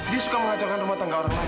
dia suka mengacaukan rumah tangga orang lain